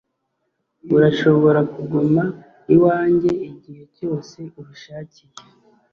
Urashobora kuguma iwanjye igihe cyose ubishakiye.